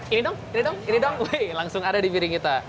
ini dong ini dong ini dong langsung ada di piring kita